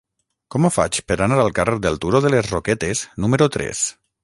Com ho faig per anar al carrer del Turó de les Roquetes número tres?